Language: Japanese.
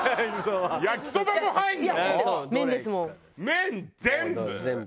麺全部？